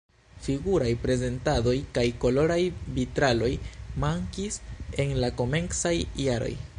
Figuraj prezentadoj kaj koloraj vitraloj mankis en la komencaj jaroj.